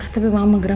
tapi maaf menggeram